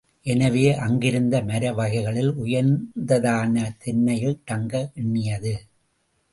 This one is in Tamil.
எனவே, அங்கிருந்த மர வகைகளில் உயர்ந்ததான தென்னையில் தங்க எண்ணியது.